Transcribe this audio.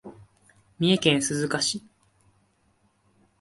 三重県鈴鹿市